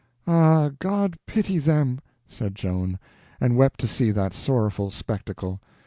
"Ah, God pity them!" said Joan, and wept to see that sorrowful spectacle.